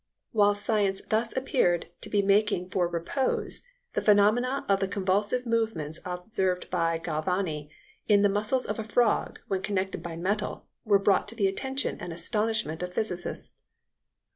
While science thus appeared to be making for repose, the phenomena of the convulsive movements observed by Galvani in the muscles of a frog when connected by metal were brought to the attention and astonishment of physicists....